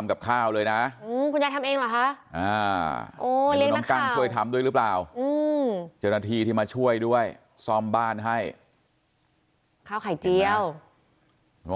ข้าวไข่เจียว